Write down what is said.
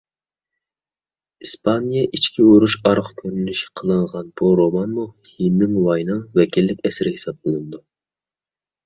ئىسپانىيە ئىچكى ئۇرۇشى ئارقا كۆرۈنۈش قىلىنغان بۇ رومانمۇ ھېمىڭۋاينىڭ ۋەكىللىك ئەسىرى ھېسابلىنىدۇ.